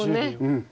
うん。